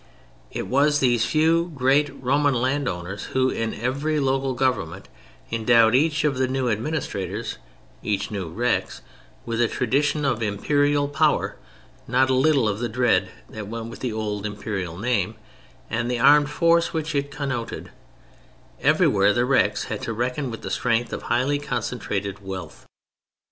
It was these few great Roman landowners who in every local government endowed each of the new administrators, each new Rex, with a tradition of imperial power, not a little of the dread that went with the old imperial name, and the armed force which it connoted: everywhere the Rex had to reckon with the strength of highly concentrated wealth.